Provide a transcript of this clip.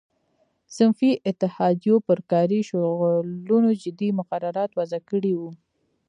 صنفي اتحادیو پر کاري شغلونو جدي مقررات وضع کړي وو.